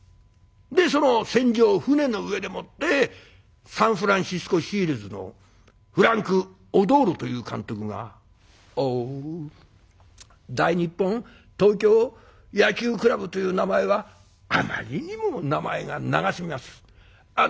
その船上船の上でもってサンフランシスコ・シールズのフランク・オドールという監督が「オウ大日本東京野球クラブという名前はあまりにも名前が長すぎます。